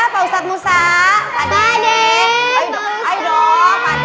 buka rumah buka rumah